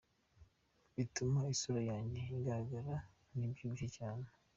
Bituma isura yanjye igaragara nk’ibyibushye cyane.